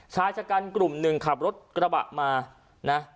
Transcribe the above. ชายชะกันกลุ่มหนึ่งขับรถกระบะมานะ